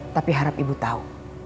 tapi harap ibu tahu